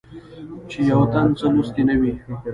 چې يو تن څۀ لوستي نۀ وي